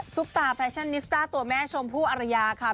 ตาแฟชั่นนิสต้าตัวแม่ชมพู่อรยาค่ะ